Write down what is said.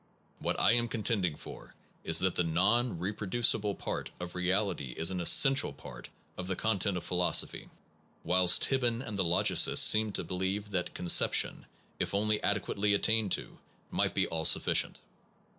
What I am contending for is that the non reproducible part of reality is an essential part of the content of philosophy, whilst Hibben and the logicists seem to believe that conception, if only adequately attained to, might be all sufficient.